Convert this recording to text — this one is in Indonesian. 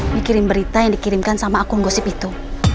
ini kirim berita yang dikirimkan sama akun gosip itu